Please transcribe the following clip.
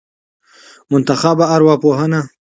منتخبه ارواپوهنه